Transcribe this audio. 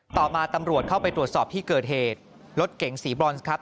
ต่อมาตำรวจเข้าไปตรวจสอบที่เกิดเหตุรถเก๋งสีบรอนซ์ครับ